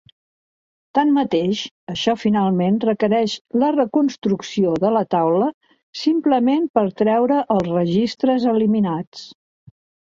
Tanmateix, això finalment requereix la reconstrucció de la taula simplement per treure els registres eliminats.